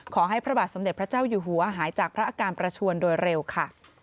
พระบาทสมเด็จพระเจ้าอยู่หัวหายจากพระอาการประชวนโดยเร็วค่ะ